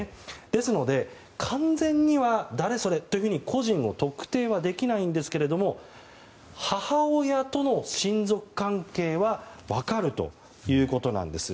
ですので完全には誰それというふうに個人を特定はできないんですが母親との親族関係は分かるということなんです。